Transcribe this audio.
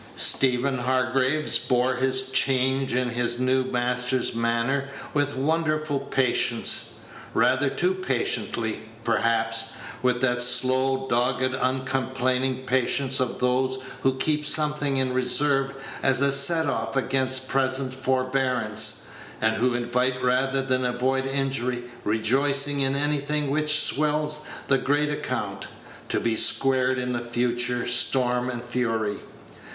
Stephen Hargraves bore this change in his new master's manner with wonderful patience. Rather too patiently, perhaps; with that slow, dogged, uncomplaining patience of those who keep something in reserve as a set off against present forbearance, and who invite rather than avoid injury, rejoicing in anything which swells the great account, to be squared in future storm and fury.